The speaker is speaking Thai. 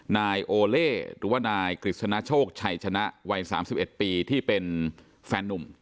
นายโอเล่หรือว่านายกฤษณโชคชัยชนะวัย๓๑ปีที่เป็นแฟนนุ่ม